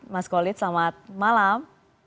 mas khalid selamat malam